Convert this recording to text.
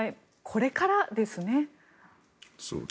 これからですね。